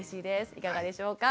いかがでしょうか。